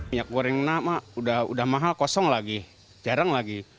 minyak gorengnya udah mahal kosong lagi jarang lagi